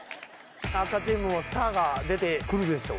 赤チームもスターが出て来るでしょう。